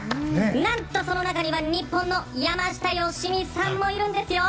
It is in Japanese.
何と、その中には日本の山下良美さんもいるんですよ！